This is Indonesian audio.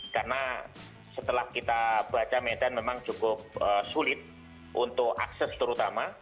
karena setelah kita baca medan memang cukup sulit untuk akses terutama